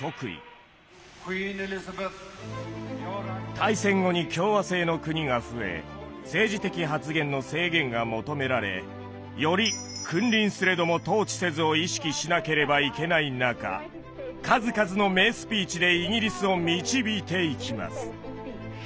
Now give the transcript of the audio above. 大戦後に共和制の国が増え政治的発言の制限が求められより「君臨すれども統治せず」を意識しなければいけない中数々の名スピーチでイギリスを導いていきます。